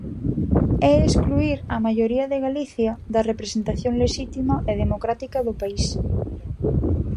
É excluír a maioría de Galicia da representación lexítima e democrática do país.